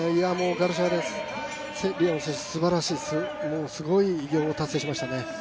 ガルシア・レオン選手、すばらしい、すごい偉業を達成しましたね。